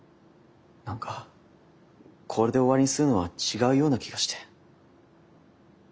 何かこれで終わりにするのは違うような気がして。